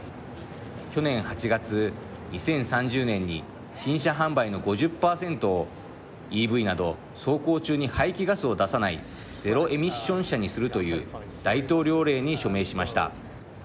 去年８月２０３０年に新車販売の５０％をＥＶなど走行中に排気ガスを出さないゼロエミッション車にするという大統領令に署名しました。